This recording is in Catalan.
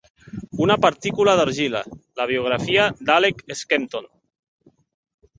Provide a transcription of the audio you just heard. "Una partícula d'argila: la biografia d'Alec Skempton".